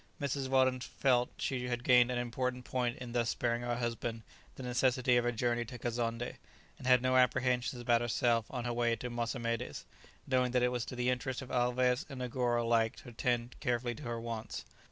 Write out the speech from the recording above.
Mrs. Weldon felt she had gained an important point in thus sparing her husband the necessity of a journey to Kazonndé, and had no apprehensions about herself on her way to Mossamedes, knowing that it was to the interest of Alvez and Negoro alike to attend carefully to her wants.